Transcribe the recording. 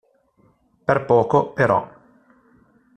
Per poco, però.